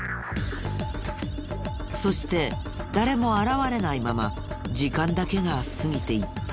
そして誰も現れないまま時間だけが過ぎていった。